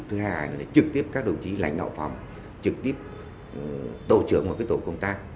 thứ hai là trực tiếp các đồng chí lành đạo phòng trực tiếp tổ trưởng vào tổ công tác